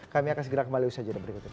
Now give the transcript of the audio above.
kami akan segera kembali usaha juga berikutnya